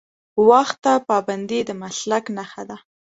وخت ته پابندي د مسلک نښه ده.